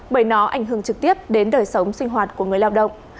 bởi nó ảnh hưởng trực tiếp đến đời sống sinh hoạt của người lao động